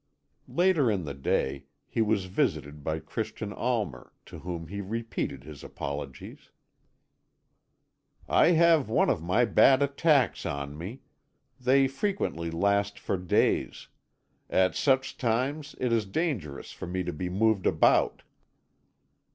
Later in the day he was visited by Christian Almer, to whom he repeated his apologies. "I have one of my bad attacks on me. They frequently last for days. At such times it is dangerous for me to be moved about."